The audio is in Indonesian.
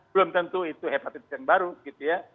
belum tentu itu hepatitis yang baru gitu ya